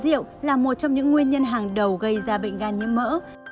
rượu là một trong những nguyên nhân hàng đầu gây ra bệnh gan nhiễm mỡ